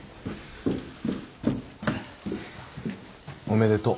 おめでとう。